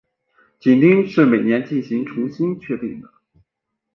紧盯是每年进行重新确定的。